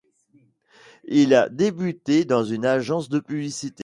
Il a débuté dans une agence de publicité.